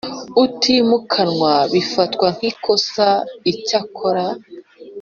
utimukanwa bifatwa nk ikosa Icyakora